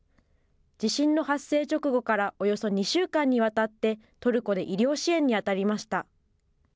地震の発生直後からおよそ２週間にわたって、トルコで医療支援に当たりました。